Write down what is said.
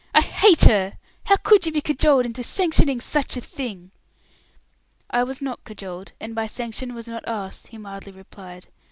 I hate her. How could you be cajoled into sanctioning such a thing?" "I was not cajoled, and my sanction was not asked," he mildly replied.